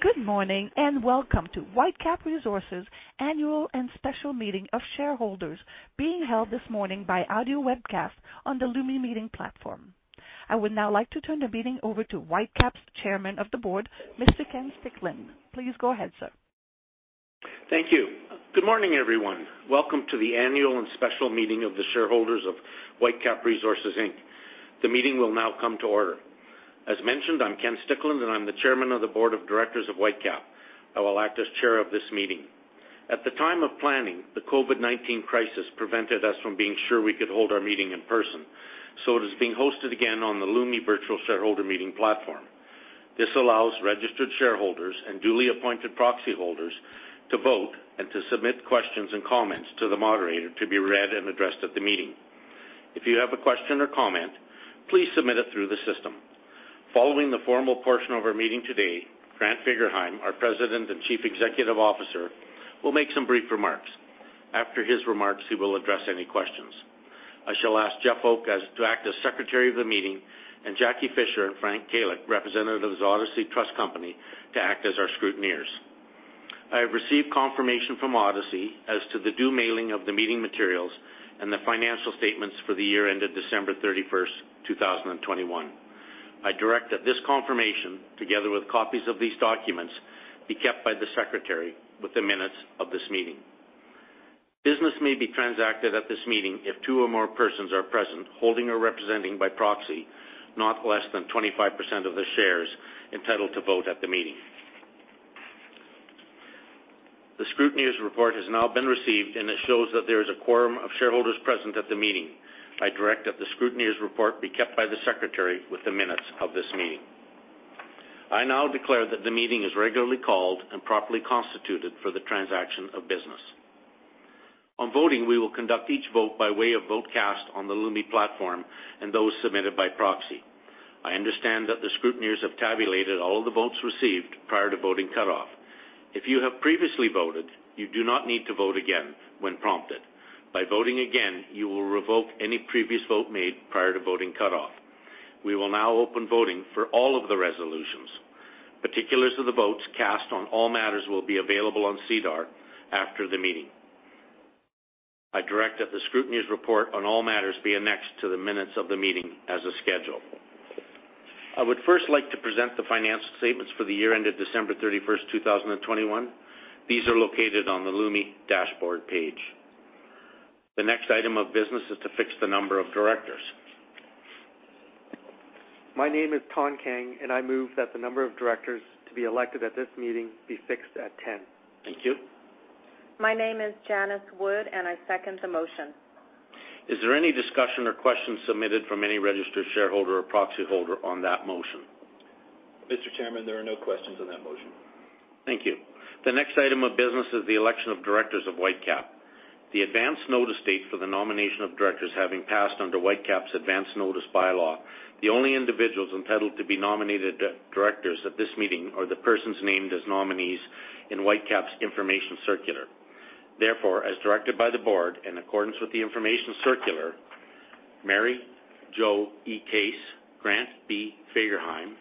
Good morning and welcome to Whitecap Resources' annual and special meeting of shareholders, being held this morning by audio webcast on the Lumi Meeting platform. I would now like to turn the meeting over to Whitecap's Chairman of the Board, Mr. Ken Stickland. Please go ahead, sir. Thank you. Good morning, everyone. Welcome to the annual and special meeting of the shareholders of Whitecap Resources Inc. The meeting will now come to order. As mentioned, I'm Ken Stickland, and I'm the Chairman of the Board of Directors of Whitecap. I will act as Chair of this meeting. At the time of planning, the COVID-19 crisis prevented us from being sure we could hold our meeting in person, so it is being hosted again on the Lumi Virtual Shareholder Meeting platform. This allows registered shareholders and duly appointed proxy holders to vote and to submit questions and comments to the moderator to be read and addressed at the meeting. If you have a question or comment, please submit it through the system. Following the formal portion of our meeting today, Grant Fagerheim, our President and Chief Executive Officer, will make some brief remarks. After his remarks, he will address any questions. I shall ask Jeff Oke to act as Secretary of the Meeting, and Jackie Fisher and Frank Kulyk, representatives of Odyssey Trust Company, to act as our scrutineers. I have received confirmation from Odyssey as to the due mailing of the meeting materials and the financial statements for the year ended December 31st, 2021. I direct that this confirmation, together with copies of these documents, be kept by the secretary in the minutes of this meeting. Business may be transacted at this meeting if two or more persons are present holding or representing by proxy, not less than 25% of the shares entitled to vote at the meeting. The scrutineer's report has now been received, and it shows that there is a quorum of shareholders present at the meeting. I direct that the scrutineer's report be kept by the secretary within minutes of this meeting. I now declare that the meeting is regularly called and properly constituted for the transaction of business. On voting, we will conduct each vote by way of vote cast on the Lumi platform and those submitted by proxy. I understand that the scrutineers have tabulated all of the votes received prior to voting cutoff. If you have previously voted, you do not need to vote again when prompted. By voting again, you will revoke any previous vote made prior to voting cutoff. We will now open voting for all of the resolutions. Particulars of the votes cast on all matters will be available on SEDAR after the meeting. I direct that the scrutineer's report on all matters be annexed to the minutes of the meeting as a schedule. I would first like to present the financial statements for the year ended December 31st, 2021. These are located on the Lumi dashboard page. The next item of business is to fix the number of directors. My name is Thanh Kang, and I move that the number of directors to be elected at this meeting be fixed at 10. Thank you. My name is Janice Wood, and I second the motion. Is there any discussion or questions submitted from any registered shareholder or proxy holder on that motion? Mr. Chairman, there are no questions on that motion. Thank you. The next item of business is the election of directors of Whitecap. The advance notice date for the nomination of directors having passed under Whitecap's advance notice bylaw. The only individuals entitled to be nominated directors at this meeting are the persons named as nominees in Whitecap's information circular. Therefore, as directed by the board in accordance with the information circular, Mary-Jo E. Case, Grant B. Fagerheim,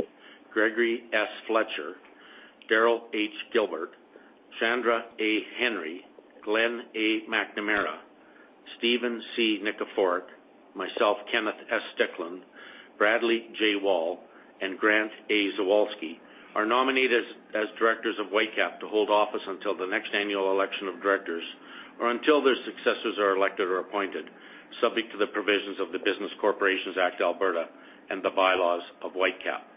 Gregory S. Fletcher, Daryl H. Gilbert, Chandra A. Henry, Glenn A. McNamara, Stephen C. Nikiforuk, myself, Kenneth S. Stickland, Bradley J. Wall, and Grant A. Zawalsky are nominated as directors of Whitecap to hold office until the next annual election of directors or until their successors are elected or appointed, subject to the provisions of the Business Corporations Act, Alberta, and the bylaws of Whitecap.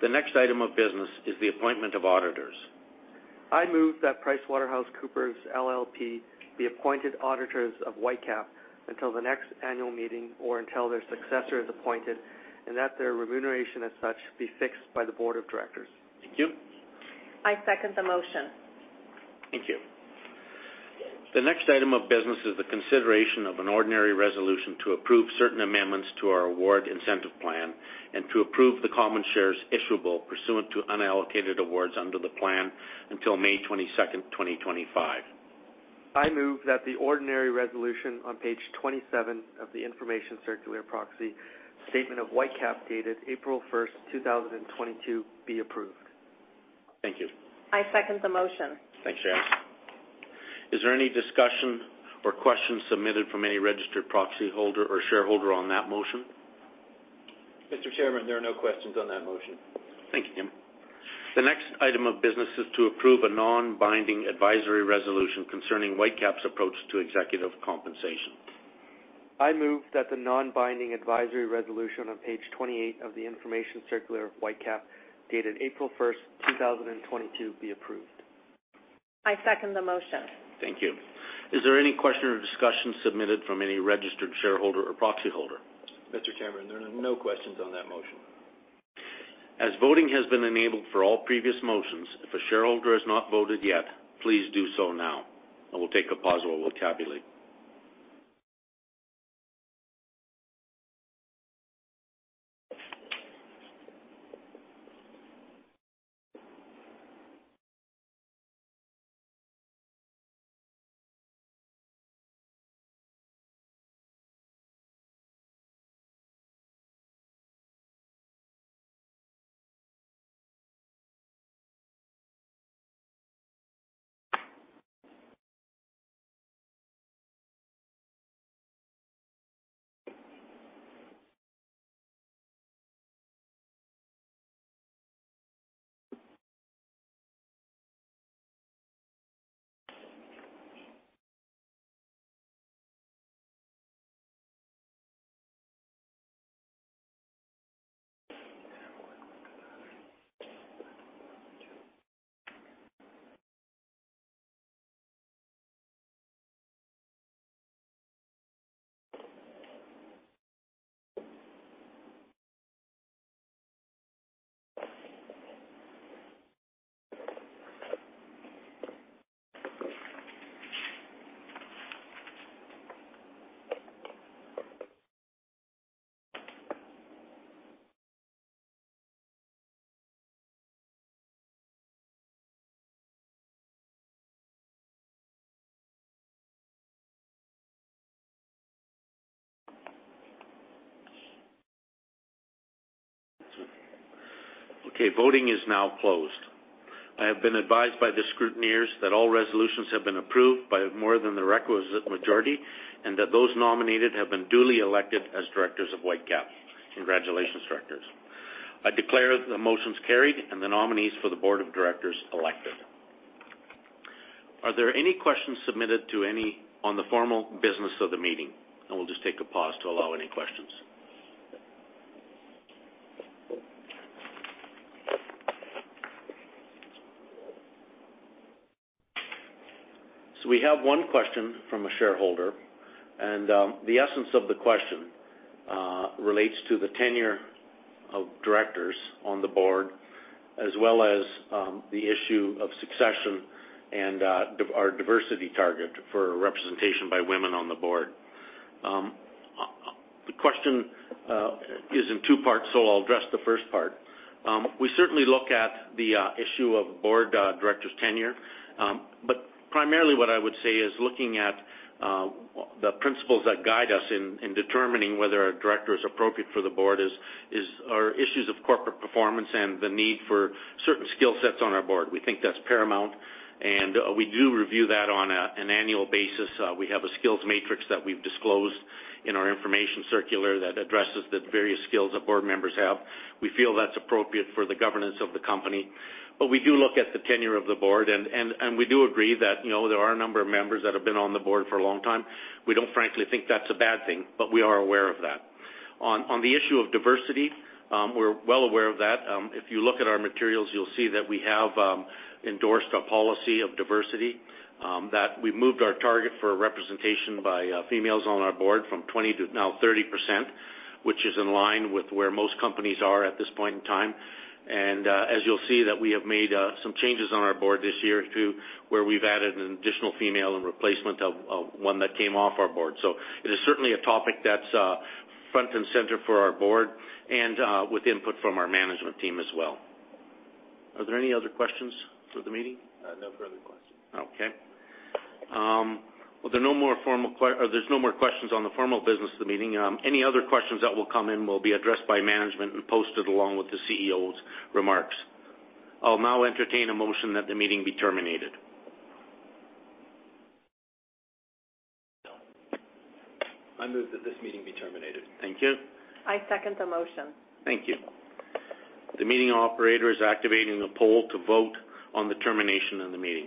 The next item of business is the appointment of auditors. I move that PricewaterhouseCoopers LLP be appointed auditors of Whitecap until the next annual meeting or until their successor is appointed, and that their remuneration as such be fixed by the board of directors. Thank you. I second the motion. Thank you. The next item of business is the consideration of an ordinary resolution to approve certain amendments to our award incentive plan and to approve the common shares issuable pursuant to unallocated awards under the plan until May 22nd, 2025. I move that the ordinary resolution on page 27 of the information circular proxy statement of Whitecap dated April 1st, 2022, be approved. Thank you. I second the motion. Thanks, Janice. Is there any discussion or questions submitted from any registered proxy holder or shareholder on that motion? Mr. Chairman, there are no questions on that motion. Thank you. The next item of business is to approve a non-binding advisory resolution concerning Whitecap's approach to executive compensation. I move that the non-binding advisory resolution on page 28 of the information circular of Whitecap dated April 1st, 2022, be approved. I second the motion. Thank you. Is there any question or discussion submitted from any registered shareholder or proxy holder? Mr. Chairman, there are no questions on that motion. As voting has been enabled for all previous motions, if a shareholder has not voted yet, please do so now. I will take a pause while we'll tabulate. Okay. Voting is now closed. I have been advised by the scrutineers that all resolutions have been approved by more than the requisite majority and that those nominated have been duly elected as directors of Whitecap. Congratulations, directors. I declare the motions carried and the nominees for the board of directors elected. Are there any questions submitted to any on the formal business of the meeting? I will just take a pause to allow any questions. So we have one question from a shareholder, and the essence of the question relates to the tenure of directors on the board as well as the issue of succession and our diversity target for representation by women on the board. The question is in two parts, so I'll address the first part. We certainly look at the issue of board directors' tenure, but primarily what I would say is looking at the principles that guide us in determining whether a director is appropriate for the board are issues of corporate performance and the need for certain skill sets on our board. We think that's paramount, and we do review that on an annual basis. We have a skills matrix that we've disclosed in our information circular that addresses the various skills that board members have. We feel that's appropriate for the governance of the company, but we do look at the tenure of the board, and we do agree that there are a number of members that have been on the board for a long time. We don't frankly think that's a bad thing, but we are aware of that. On the issue of diversity, we're well aware of that. If you look at our materials, you'll see that we have endorsed a policy of diversity, that we moved our target for representation by females on our board from 20% to now 30%, which is in line with where most companies are at this point in time, and as you'll see, we have made some changes on our board this year to where we've added an additional female in replacement of one that came off our board, so it is certainly a topic that's front and center for our board and with input from our management team as well. Are there any other questions for the meeting? No further questions. Okay. Well, there are no more formal questions on the formal business of the meeting. Any other questions that will come in will be addressed by management and posted along with the CEO's remarks. I'll now entertain a motion that the meeting be terminated. I move that this meeting be terminated. Thank you. I second the motion. Thank you. The meeting operator is activating a poll to vote on the termination of the meeting.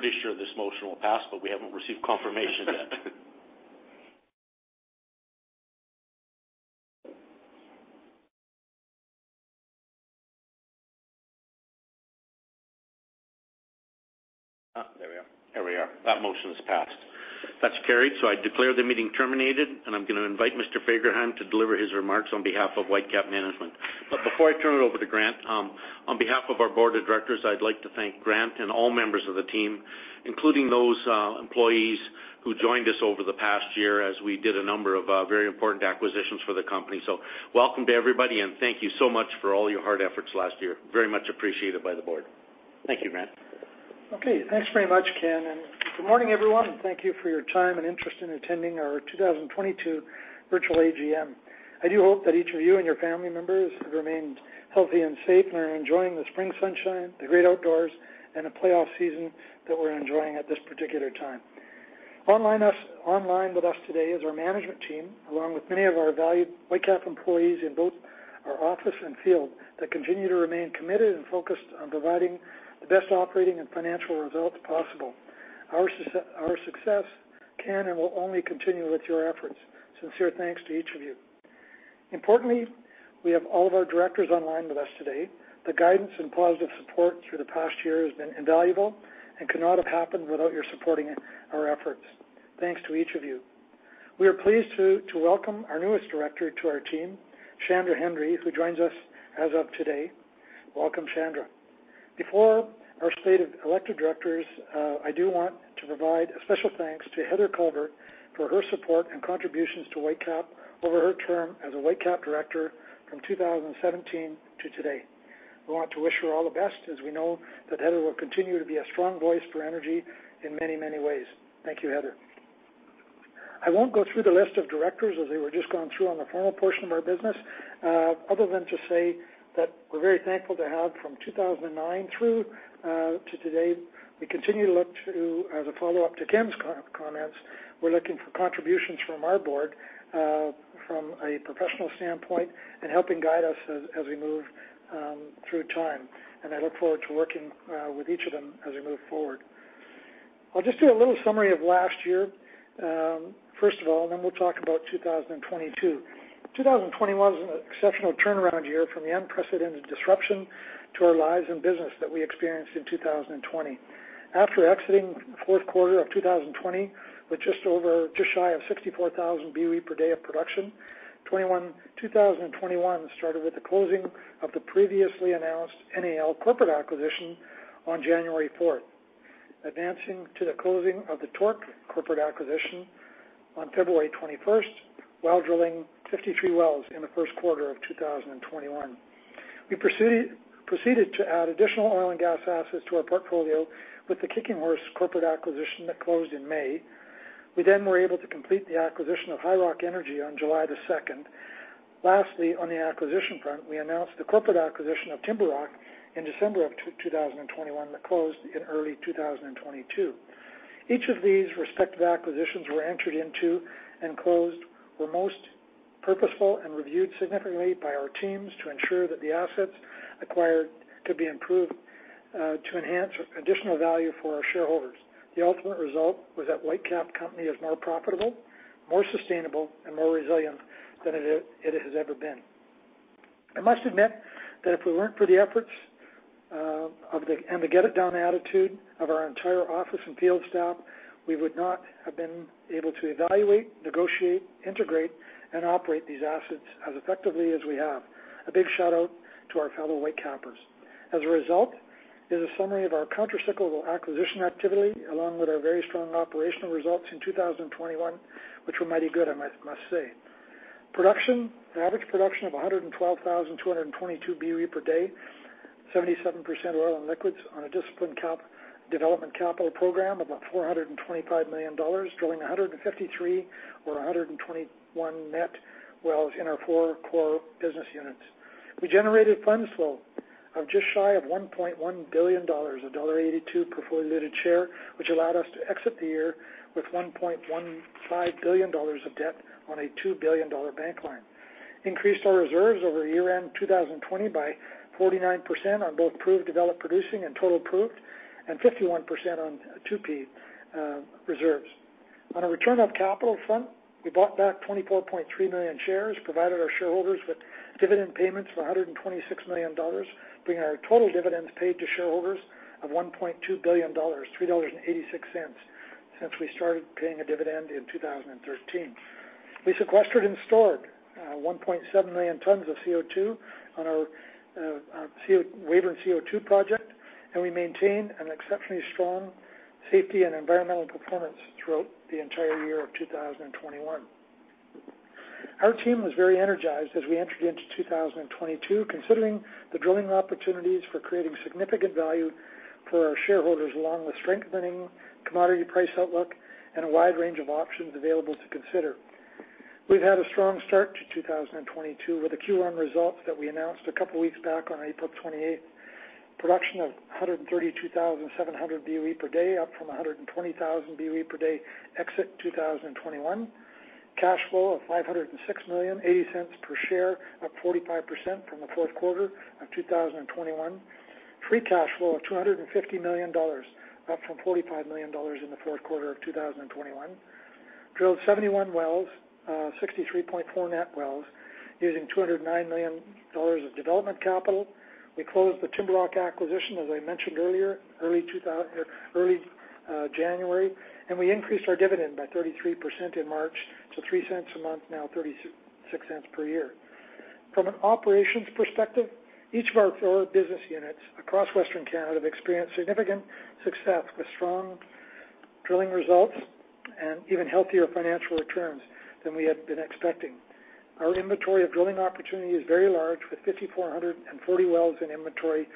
Pretty sure this motion will pass, but we haven't received confirmation yet. There we are. There we are. That motion is passed. That's carried, so I declare the meeting terminated, and I'm going to invite Mr. Fagerheim to deliver his remarks on behalf of Whitecap Management. Before I turn it over to Grant, on behalf of our board of directors, I'd like to thank Grant and all members of the team, including those employees who joined us over the past year as we did a number of very important acquisitions for the company. Welcome to everybody, and thank you so much for all your hard efforts last year. Very much appreciated by the board. Thank you, Grant. Okay. Thanks very much, Ken. And good morning, everyone, and thank you for your time and interest in attending our 2022 Virtual AGM. I do hope that each of you and your family members have remained healthy and safe and are enjoying the spring sunshine, the great outdoors, and the playoff season that we're enjoying at this particular time. Online with us today is our management team, along with many of our valued Whitecap employees in both our office and field that continue to remain committed and focused on providing the best operating and financial results possible. Our success can and will only continue with your efforts. Sincere thanks to each of you. Importantly, we have all of our directors online with us today. The guidance and positive support through the past year has been invaluable and could not have happened without your supporting our efforts. Thanks to each of you. We are pleased to welcome our newest director to our team, Chandra Henry, who joins us as of today. Welcome, Chandra. Before our slate of elected directors, I do want to provide a special thanks to Heather Culbert for her support and contributions to Whitecap over her term as a Whitecap director from 2017 to today. We want to wish her all the best as we know that Heather will continue to be a strong voice for energy in many, many ways. Thank you, Henry. I won't go through the list of directors as they were just gone through on the formal portion of our business, other than to say that we're very thankful to have from 2009 through to today. We continue to look to, as a follow-up to Ken's comments, we're looking for contributions from our board from a professional standpoint and helping guide us as we move through time. I look forward to working with each of them as we move forward. I'll just do a little summary of last year, first of all, and then we'll talk about 2022. 2021 was an exceptional turnaround year from the unprecedented disruption to our lives and business that we experienced in 2020. After exiting the fourth quarter of 2020 with just shy of 64,000 BOE per day of production, 2021 started with the closing of the previously announced NAL corporate acquisition on January 4th, advancing to the closing of the TORC corporate acquisition on February 21st while drilling 53 wells in the first quarter of 2021. We proceeded to add additional oil and gas assets to our portfolio with the Kicking Horse corporate acquisition that closed in May. We then were able to complete the acquisition of Highrock Energy on July the 2nd. Lastly, on the acquisition front, we announced the corporate acquisition of Timberrock Energy in December of 2021 that closed in early 2022. Each of these respective acquisitions were entered into and closed were most purposeful and reviewed significantly by our teams to ensure that the assets acquired could be improved to enhance additional value for our shareholders. The ultimate result was that Whitecap Resources is more profitable, more sustainable, and more resilient than it has ever been. I must admit that if we weren't for the efforts and the get-it-done attitude of our entire office and field staff, we would not have been able to evaluate, negotiate, integrate, and operate these assets as effectively as we have. A big shout-out to our fellow Whitecappers. As a result, there's a summary of our counter-cyclical acquisition activity along with our very strong operational results in 2021, which were mighty good, I must say. Production, average production of 112,222 BWE per day, 77% oil and liquids on a disciplined development capital program of about 425 million dollars, drilling 153 or 121 net wells in our four core business units. We generated funds flow of just shy of 1.1 billion dollars, a dollar 1.82 per fully diluted share, which allowed us to exit the year with 1.15 billion dollars of debt on a 2 billion dollar bank line. Increased our reserves over year-end 2020 by 49% on both proved, developed, producing, and total proved, and 51% on 2P reserves. On a return of capital front, we bought back 24.3 million shares, provided our shareholders with dividend payments for $126 million, bringing our total dividends paid to shareholders of $1.2 billion, $3.86, since we started paying a dividend in 2013. We sequestered and stored 1.7 million tons of CO2 on our Weyburn CO2 project, and we maintained an exceptionally strong safety and environmental performance throughout the entire year of 2021. Our team was very energized as we entered into 2022, considering the drilling opportunities for creating significant value for our shareholders along with strengthening commodity price outlook and a wide range of options available to consider. We've had a strong start to 2022 with the Q1 results that we announced a couple of weeks back on April 28th. Production of 132,700 BWE per day, up from 120,000 BWE per day exit 2021. Cash flow of 506 million, 0.80 per share, up 45% from the fourth quarter of 2021. Free cash flow of 250 million dollars, up from 45 million dollars in the fourth quarter of 2021. Drilled 71 wells, 63.4 net wells, using 209 million dollars of development capital. We closed the Timberrock acquisition, as I mentioned earlier, early January, and we increased our dividend by 33% in March to 0.03 a month, now 0.36 per year. From an operations perspective, each of our four business units across Western Canada have experienced significant success with strong drilling results and even healthier financial returns than we had been expecting. Our inventory of drilling opportunity is very large, with 5,440 wells in inventory,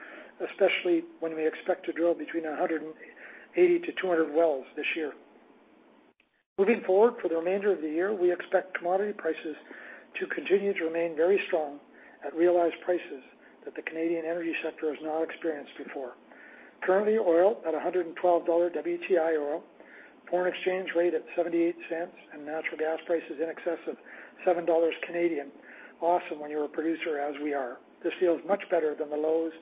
especially when we expect to drill between 180 to 200 wells this year. Moving forward for the remainder of the year, we expect commodity prices to continue to remain very strong at realized prices that the Canadian energy sector has not experienced before. Currently, oil at $112 WTI, foreign exchange rate at 0.78, and natural gas prices in excess of 7 Canadian dollars, awesome when you're a producer as we are. This feels much better than the lows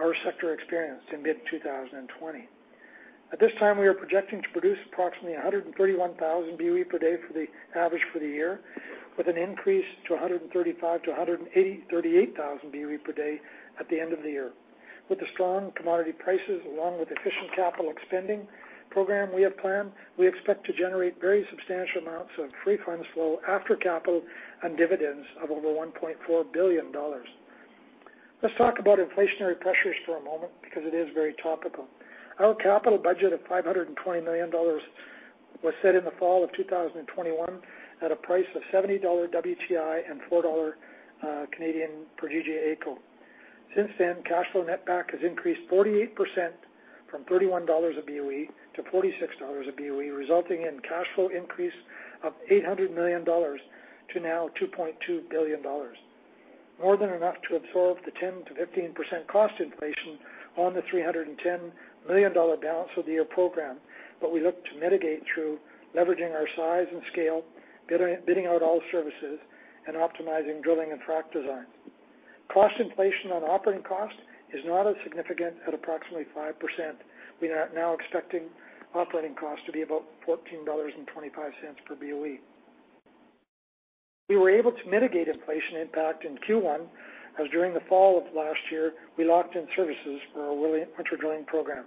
our sector experienced in mid-2020. At this time, we are projecting to produce approximately 131,000 BOE per day for the average for the year, with an increase to 135,000-138,000 BOE per day at the end of the year. With the strong commodity prices along with efficient capital spending program we have planned, we expect to generate very substantial amounts of free funds flow after capital and dividends of over 1.4 billion dollars. Let's talk about inflationary pressures for a moment because it is very topical. Our capital budget of $520 million was set in the fall of 2021 at a price of $70 WTI and 4 Canadian dollars per GJ AECO. Since then, cash flow net back has increased 48% from $31 a BOE to $46 a BOE, resulting in cash flow increase of $800 million to now $2.2 billion. More than enough to absorb the 10%-15% cost inflation on the $310 million balance of the year program, but we look to mitigate through leveraging our size and scale, bidding out all services, and optimizing drilling and frac design. Cost inflation on operating cost is not as significant at approximately 5%. We are now expecting operating cost to be about $14.25 per BOE. We were able to mitigate inflation impact in Q1 as during the fall of last year, we locked in services for our winter drilling program,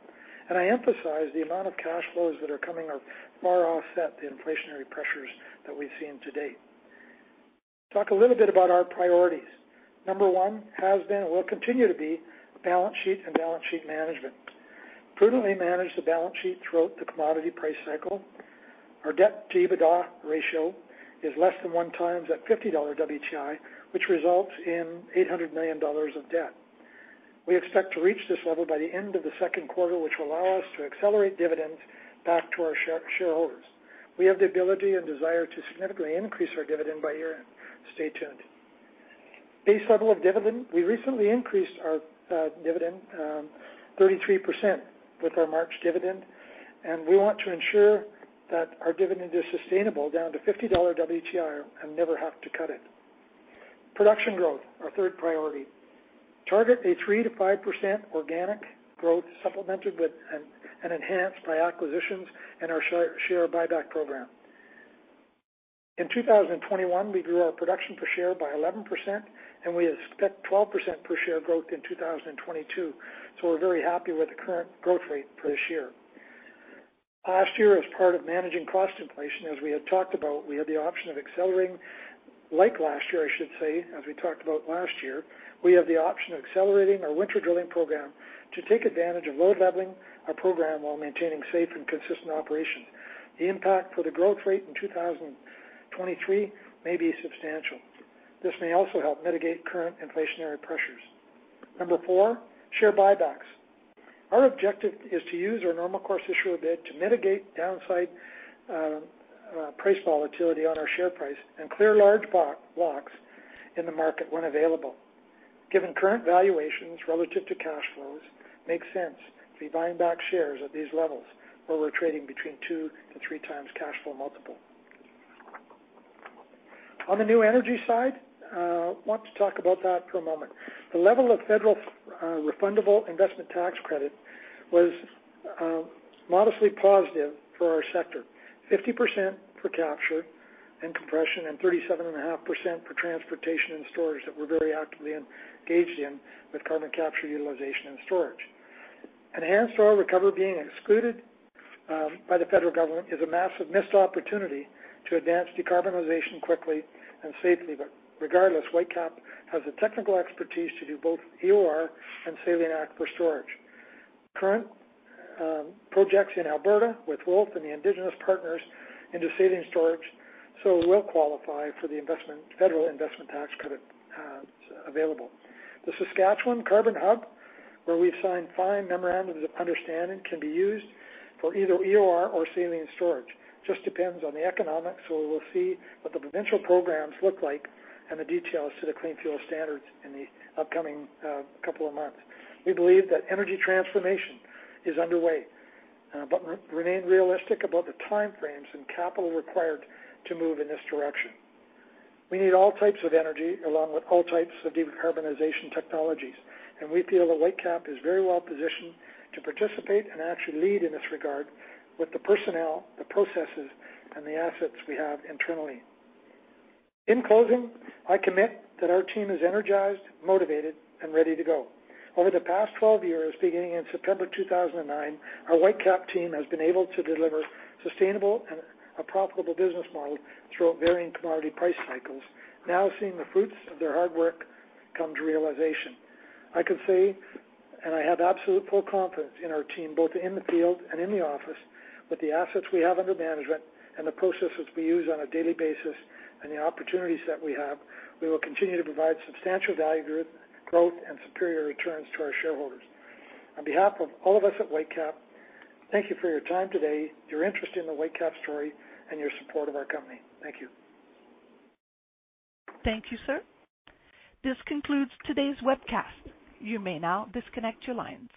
and I emphasize the amount of cash flows that are coming are far offset the inflationary pressures that we've seen to date. Talk a little bit about our priorities. Number one has been and will continue to be balance sheet and balance sheet management. Prudently manage the balance sheet throughout the commodity price cycle. Our debt to EBITDA ratio is less than one times at $50 WTI, which results in $800 million of debt. We expect to reach this level by the end of the second quarter, which will allow us to accelerate dividends back to our shareholders. We have the ability and desire to significantly increase our dividend by year. Stay tuned. Base level of dividend, we recently increased our dividend 33% with our March dividend, and we want to ensure that our dividend is sustainable down to $50 WTI and never have to cut it. Production growth, our third priority. Target a 3%-5% organic growth supplemented with and enhanced by acquisitions in our share buyback program. In 2021, we grew our production per share by 11%, and we expect 12% per share growth in 2022. So we're very happy with the current growth rate for this year. Last year, as part of managing cost inflation, as we had talked about, we had the option of accelerating, like last year, I should say, as we talked about last year, we have the option of accelerating our winter drilling program to take advantage of load leveling our program while maintaining safe and consistent operations. The impact for the growth rate in 2023 may be substantial. This may also help mitigate current inflationary pressures. Number four, share buybacks. Our objective is to use our normal course issuer bid to mitigate downside price volatility on our share price and clear large blocks in the market when available. Given current valuations relative to cash flows, it makes sense to be buying back shares at these levels where we're trading between two to three times cash flow multiple. On the new energy side, I want to talk about that for a moment. The level of federal refundable investment tax credit was modestly positive for our sector, 50% for capture and compression and 37.5% for transportation and storage that we're very actively engaged in with carbon capture utilization and storage. Enhanced oil recovery being excluded by the federal government is a massive missed opportunity to advance decarbonization quickly and safely. But regardless, Whitecap has the technical expertise to do both EOR and saline aquifer for storage. Current projects in Alberta with Wolf and the Indigenous partners into saline storage so will qualify for the federal investment tax credit available. The Saskatchewan Carbon Hub, where we've signed five memorandums of understanding, can be used for either EOR or saline storage. Just depends on the economics, so we will see what the provincial programs look like and the details to the clean fuel standards in the upcoming couple of months. We believe that energy transformation is underway, but remain realistic about the time frames and capital required to move in this direction. We need all types of energy along with all types of decarbonization technologies, and we feel that Whitecap is very well positioned to participate and actually lead in this regard with the personnel, the processes, and the assets we have internally. In closing, I commit that our team is energized, motivated, and ready to go. Over the past 12 years, beginning in September 2009, our Whitecap team has been able to deliver sustainable and a profitable business model throughout varying commodity price cycles, now seeing the fruits of their hard work come to realization. I can say, and I have absolute full confidence in our team, both in the field and in the office, with the assets we have under management and the processes we use on a daily basis and the opportunities that we have, we will continue to provide substantial value growth and superior returns to our shareholders. On behalf of all of us at Whitecap, thank you for your time today, your interest in the Whitecap story, and your support of our company. Thank you. Thank you, sir. This concludes today's webcast. You may now disconnect your lines.